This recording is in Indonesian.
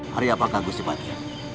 hari apakah gusti pati